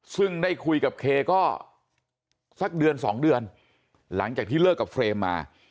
ซึ่งได้คุยกับเคก็สักเดือนสองเดือนหลังจากที่เลิกกับเฟรมมา